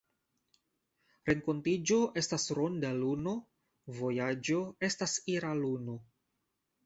Renkontiĝo estas ‘ronda luno’,vojaĝo estas ‘ira luno’.